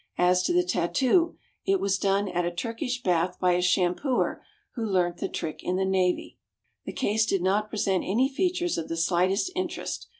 As to the tattoo, it was done at a Turkish bath by a shampooer, who learnt the trick in the Navy." The case did not present any features of the slightest interest.